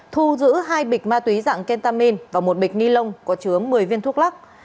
thu giữ hai bịch ma túy dạng kentamin và một bịch nilon có chứa một mươi viên thuốc lắc